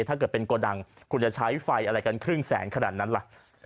ถ้าเกิดเป็นโกดังคุณจะใช้ไฟอะไรกันครึ่งแสนขนาดนั้นล่ะ